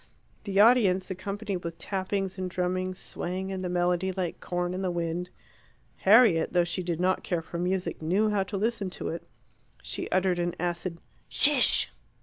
The audience accompanied with tappings and drummings, swaying in the melody like corn in the wind. Harriet, though she did not care for music, knew how to listen to it. She uttered an acid "Shish!"